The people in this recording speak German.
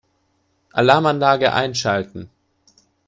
Alarmanlage einschalten.